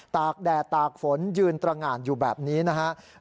กแดดตากฝนยืนตรงานอยู่แบบนี้นะครับ